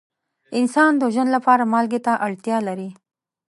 انسان د ژوند لپاره مالګې ته اړتیا لري.